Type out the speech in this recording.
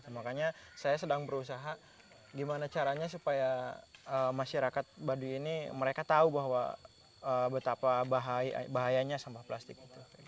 makanya saya sedang berusaha gimana caranya supaya masyarakat baduy ini mereka tahu bahwa betapa bahayanya sampah plastik itu